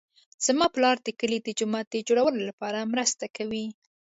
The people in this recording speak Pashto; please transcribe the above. زما پلار د کلي د جومات د جوړولو لپاره مرسته کوي